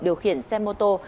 điều khiển xe mô tô